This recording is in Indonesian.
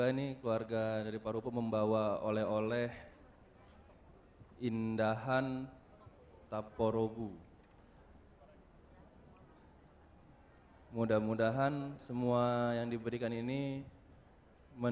alhamdulillah puji syukur kita